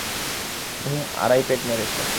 উহুম, আড়াই পেগ মেরেছ!